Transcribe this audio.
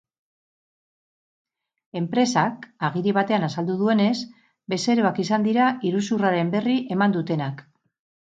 Enpresak agiri batean azaldu duenez, bezeroak izan dira iruzurraren berri eman dutenak.